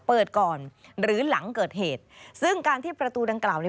เปิดก่อนหรือหลังเกิดเหตุซึ่งการที่ประตูดังกล่าวเนี่ย